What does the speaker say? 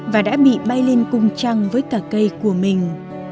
và đã bị bay lên cung trăng với cả cây của mình